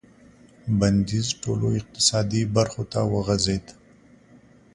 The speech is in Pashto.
بندیز ټولو اقتصادي برخو ته وغځېد.